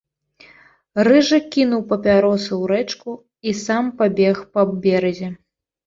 Рыжы кінуў папяросу ў рэчку і сам пабег па беразе.